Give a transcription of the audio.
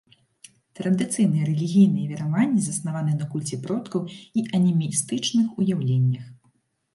Традыцыйныя рэлігійныя вераванні заснаваны на кульце продкаў і анімістычных уяўленнях.